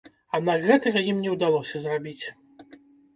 Аднак гэтага ім не ўдалося зрабіць.